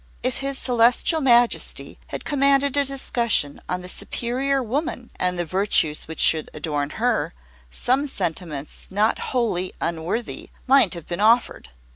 If his Celestial Majesty had commanded a discussion on the Superior Woman and the virtues which should adorn her, some sentiments not wholly unworthy might have been offered.